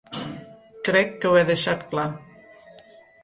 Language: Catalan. Crec que ho he deixat clar.